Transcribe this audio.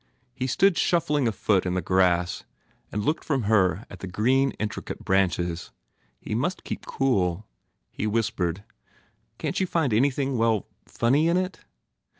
He stood shuffling a foot in the grass and looked from her at the green intricate branches. He must keep cool. He whispered, "Can t you find anything well, funny in it?"